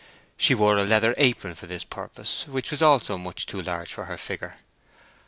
She wore a leather apron for this purpose, which was also much too large for her figure.